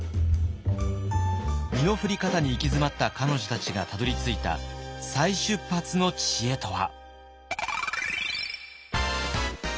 身の振り方に行き詰まった彼女たちがたどりついた再出発の知恵とは。